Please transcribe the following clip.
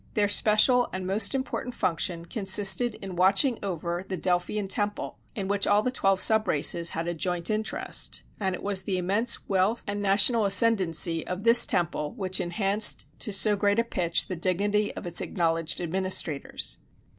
Their special, and most important, function consisted in watching over the Delphian temple, in which all the twelve sub races had a joint interest, and it was the immense wealth and national ascendency of this temple which enhanced to so great a pitch the dignity of its acknowledged administrators.